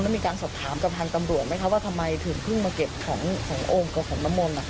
แล้วมีการสอบถามกับทางตำรวจไหมคะว่าทำไมถึงเพิ่งมาเก็บขององค์กับของน้ำมนต์